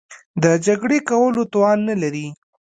د جګړې کولو توان نه لري.